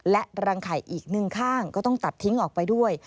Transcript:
และรังไข่อีกหนึ่งข้างก็ต้องตัดทิ้งออกไปด้วย